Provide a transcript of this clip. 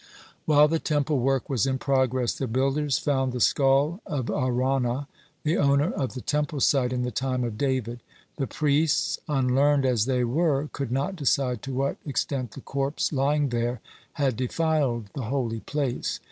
(31) While the Temple work was in progress, the builders found the skull of Araunah, the owner of the Temple site in the time of David. The priests, unlearned as they were, could not decide to what extent the corpse lying there had defiled the holy place.